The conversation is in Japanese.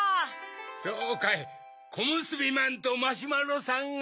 そうかいこむすびまんとマシュマロさんが。